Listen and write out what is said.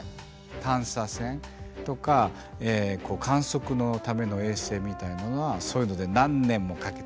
探査船とか観測のための衛星みたいなのはそういうので何年もかけてね。